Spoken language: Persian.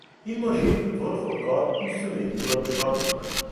این ماشین به طور خود کار پوست میگو را جدا میکند.